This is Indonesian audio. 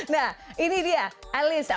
nah ini dia alyssa